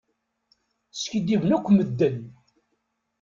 Skidiben akk medden.